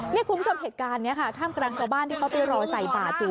นี่คุณผู้ชมเหตุการณ์นี้ค่ะท่ามกำลังเข้าบ้านที่เขาตื่นรอยใส่บาตรอยู่